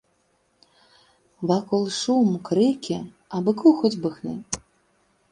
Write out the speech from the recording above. Вакол шум, крыкі, а быку хоць бы хны.